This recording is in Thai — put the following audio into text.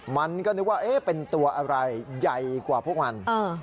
มันก็นึกว่าเป็นตัวอะไรใหญ่กว่าพวกมัน